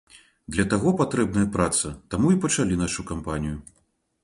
Для таго патрэбная праца, таму і пачалі нашу кампанію.